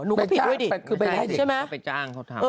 หนูก็ผิดด้วยดิ